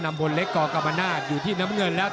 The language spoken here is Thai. บนเล็กกกรรมนาศอยู่ที่น้ำเงินแล้ว